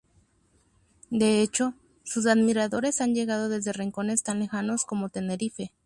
De hecho, sus admiradores han llegado desde rincones tan lejanos como Tenerife.